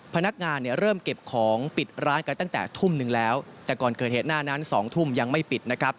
พนักงานเนี่ยเริ่มเก็บของปิดร้านกันตั้งแต่ทุ่มหนึ่งแล้วแต่ก่อนเกิดเหตุหน้านั้น๒ทุ่มยังไม่ปิดนะครับ